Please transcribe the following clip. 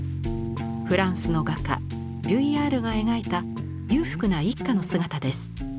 フランスの画家ヴュイヤールが描いた裕福な一家の姿です。